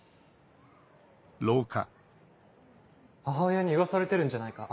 母親に言わされてるんじゃないか？